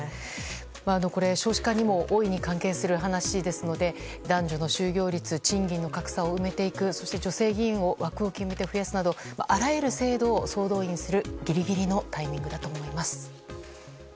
少子化にも大いに関係する話ですので男女の就業率賃金の格差を埋めていくそして女性議員の枠を決めて増やすなどあらゆる制度を総動員するギリギリのタイミングだと思います。